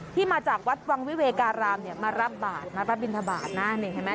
ที่มาจากวัดวังวิเวการามเนี่ยมารับบาทมารับบินทบาทนะนี่เห็นไหม